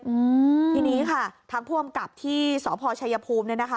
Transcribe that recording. อืมทีนี้ค่ะทางผู้อำกับที่สพชัยภูมิเนี่ยนะคะ